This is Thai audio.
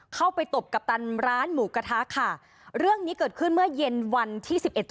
เข้าไปตบกัปตันร้านหมูกระทะค่ะเรื่องนี้เกิดขึ้นเมื่อเย็นวันที่สิบเอ็ด